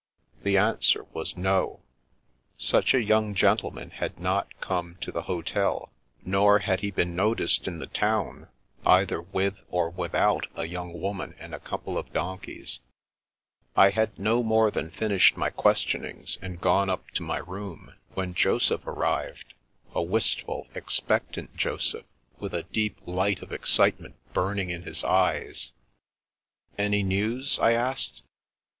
The answer was no. Such a young gentleman had not come to the hotel, nor had he been noticed in the town, either with or without a young woman and a couple of donkeys. The Vanishing of the Prince 317 I had no more than finished my questionings and gone up to my room, when Joseph arrived — a wist ful, expectant Joseph, with a deep light of excite ment burning in his eyes. " Any news ?" I asked.